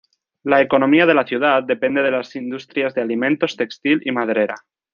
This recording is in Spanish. La economía de la ciudad depende de las industrias de alimentos, textil y maderera.